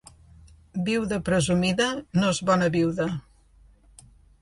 Viuda presumida no és bona viuda.